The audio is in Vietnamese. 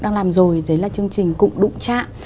đang làm rồi đấy là chương trình cụng đụng trạ